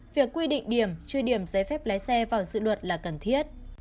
việc quy định điểm trừ điểm giấy phép lái xe vào dự luật là cần thiết